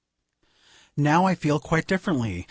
Now I feel quite differently.